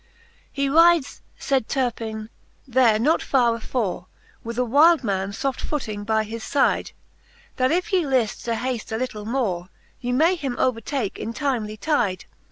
He rides, faid Turpine, there not farre afore, With a wyld man foft footing by his fyde, That if ye Hft to hafle a litle more, Ye may him overtake in timely tyde.